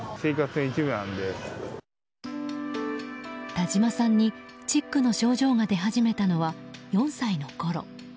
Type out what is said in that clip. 田島さんにチックの症状が出始めたのは４歳のころ。